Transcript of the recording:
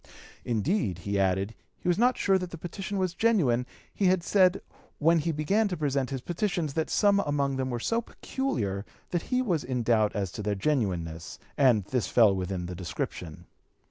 Indeed, he added, he was not sure that the petition was genuine; he had said, when he began to present his petitions, that some among them were so peculiar that he was in doubt as to their genuineness, and this fell within the description.